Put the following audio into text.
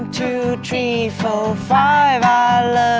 ทุกวัน